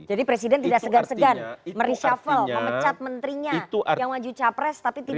jadi presiden tidak segan segan merishuffle memecat menterinya yang maju capres tapi tidak